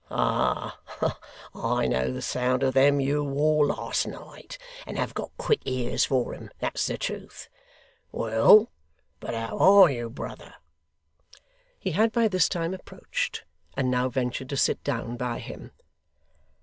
Ah! I know the sound of them you wore last night, and have got quick ears for 'em; that's the truth. Well, but how are you, brother?' He had by this time approached, and now ventured to sit down by him.